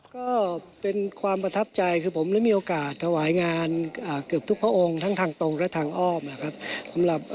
ก็เป็นความประทับใจคือผมได้มีโอกาสถวายงานเกือบทุกพระองค์ทั้งทางตรงและทางอ้อมนะครับ